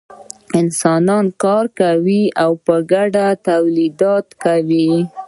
انسانان کار کوي او په ګډه تولیدات کوي.